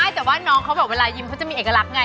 ใช่แต่ว่าน้องเขาแบบเวลายิ้มเขาจะมีเอกลักษณ์ไง